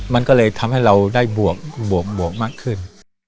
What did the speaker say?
มันก็เลยทำให้เราได้บวกมากขึ้น